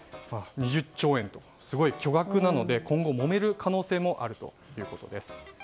２０兆円はすごく巨額なので今後もめる可能性もあるということです。